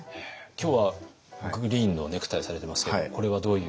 今日はグリーンのネクタイをされてますけどこれはどういう？